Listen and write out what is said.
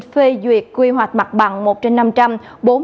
phê duyệt quy hoạch mặt bằng một trên năm trăm linh